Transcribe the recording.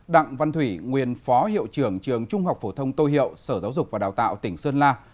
đặng văn thủy nguyên phó hiệu trưởng trường trung học phổ thông tô hiệu sở giáo dục và đào tạo tỉnh sơn la